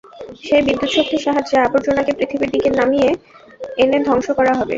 সেই বিদ্যুৎশক্তির সাহায্যে আবর্জনাকে পৃথিবীর দিকে দিকে নামিয়ে এনে ধ্বংস করা হবে।